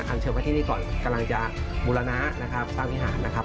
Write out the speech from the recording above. เชิญมาที่นี่ก่อนกำลังจะบูรณะนะครับสร้างวิหารนะครับ